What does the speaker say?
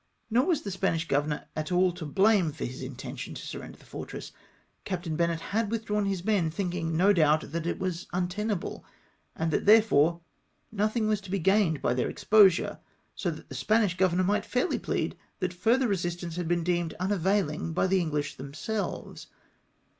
Nor was the Spanish governor at all to blame for his intention to surrender tlie fortress. Captain Bennett had withdrawn his men, thinking, no doubt, that it was untenable, and that therefore nothing was to be OCCUPATION OF CATALONIA. 301 gained by their exposure ; so that the Spanish go vernor might fairly plead that further resistance had been deemed unavaihng by the Enghsh themselves.